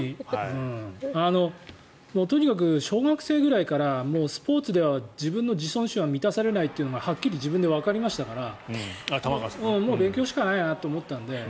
とにかく小学生ぐらいからスポーツでは自分の自尊心は満たされないというのがはっきり自分でわかりましたからもう勉強しかないなと思ったので。